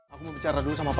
aku mau bicara dulu sama papa